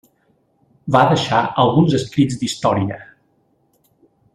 Va deixar alguns escrits d'història.